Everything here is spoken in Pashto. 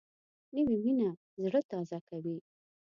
نوې مینه زړه تازه کوي